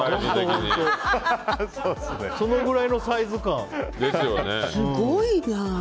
そのぐらいのサイズ感だよね。